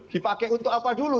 dipakai untuk apa dulu